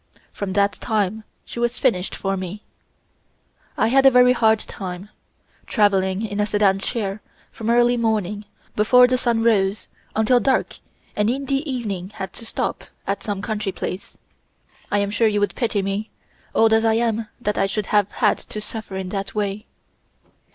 From that time she was finished for me. I had a very hard time, traveling in a sedan chair, from early morning, before the sun rose, until dark and in the evening had to stop at some country place. I am sure you would pity me, old as I am, that I should have had to suffer in that way.